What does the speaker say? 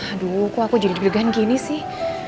aduh kok aku jadi dibilang gini sih